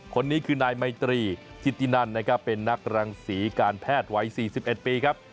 คนนี้คือนายไมตรีจิตินันนะครับเป็นนักรังศรีการแพทย์วัย๔๑ปีครับ